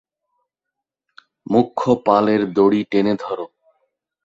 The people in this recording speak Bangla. মূখ্য পালের দড়ি টেনে ধরো।